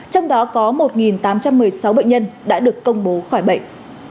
trong đó có một tám trăm một mươi sáu bệnh nhân đã được công bố khỏi bệnh